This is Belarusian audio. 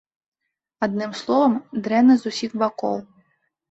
Адным словам, дрэнна з усіх бакоў.